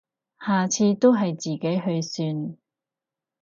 下次都係自己去算